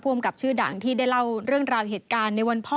อำกับชื่อดังที่ได้เล่าเรื่องราวเหตุการณ์ในวันพ่อ